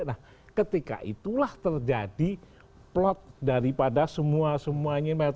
nah ketika itulah terjadi plot daripada semua semuanya